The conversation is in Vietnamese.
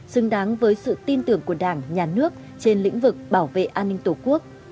xứng đáng với sự tin tưởng của đảng nhà nước trên lĩnh vực bảo vệ an ninh tổ quốc